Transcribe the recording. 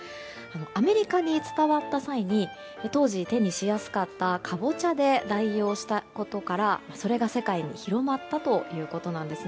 アメリカに伝わった際に当時、手にしやすかったカボチャで代用したことからそれが世界に広まったということです。